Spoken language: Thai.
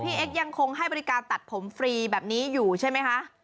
เอ็กซยังคงให้บริการตัดผมฟรีแบบนี้อยู่ใช่ไหมคะ